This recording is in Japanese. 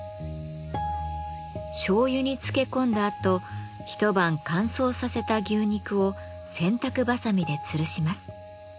しょうゆに漬け込んだあと一晩乾燥させた牛肉を洗濯ばさみでつるします。